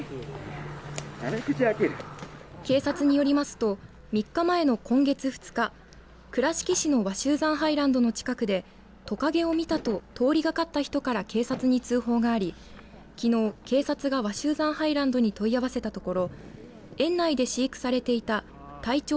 警察によりますと３日前の今月２日倉敷市の鷲羽山ハイランドの近くでトカゲを見たと通りがかった人から警察に通報がありきのう警察が鷲羽山ハイランドに問い合わせたところ園内で飼育されていた体長